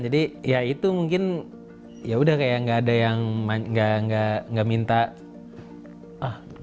jadi ya itu mungkin ya udah kayak gak ada yang gak minta pergi pergi